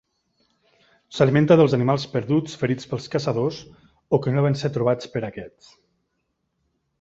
S'alimenta dels animals perduts ferits pels caçadors o que no van ser trobats per aquests.